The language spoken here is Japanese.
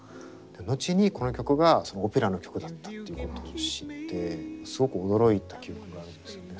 後にこの曲がオペラの曲だったっていうことを知ってすごく驚いた記憶があるんですよね。